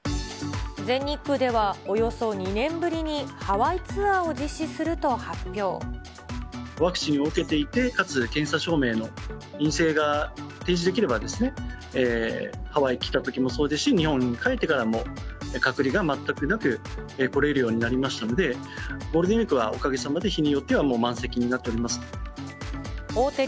全日空ではおよそ２年ぶりにワクチンを受けていて、かつ検査証明の陰性が提示できれば、ハワイに来たときもそうですし、日本に帰ってからも、隔離が全くなく来られるようになりましたので、ゴールデンウィークはおかげさまで日によっては満席になっており大手